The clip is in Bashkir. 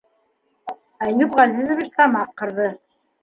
Әйүп Ғәзизович тамаҡ ҡырҙы: